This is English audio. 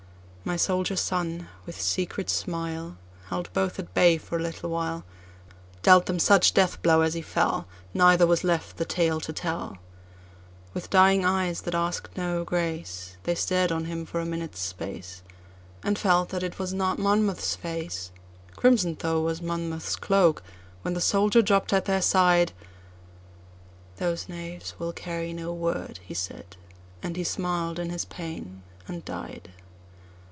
My soldier son, with secret smile, Held both at bay for a little while, Dealt them such death blow as he fell, Neither was left the tale to tell; With dying eyes, that asked no grace, They stared on him for a minute's space, And felt that it was not Monmouth's face. Crimson'd through was Monmouth's cloak, when the soldier dropped at their side—"Those knaves will carry no word," he said, and he smil'd in his pain, and died.